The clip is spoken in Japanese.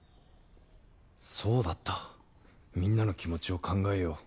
そうだったみんなの気持ちを考えよう。